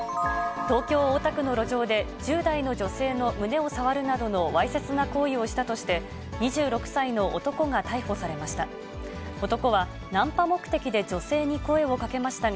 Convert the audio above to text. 東京・大田区の路上で、１０代の女性の胸を触るなどのわいせつな行為をしたとして、２６歳の男が逮捕されました。